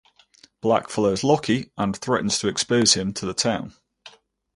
Black follows Locky and threatens to expose him to the town.